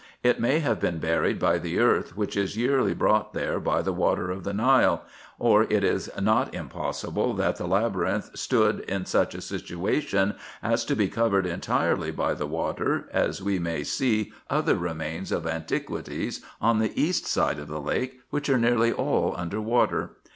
It may have been buried by the earth which is yearly brought there by the water of the Nile ; or it is not impossible that the Laby rinth stood in such a situation as to be covered entirely by the water, as we may see other remains of antiquities on the east side of the lake, which are nearly all under water.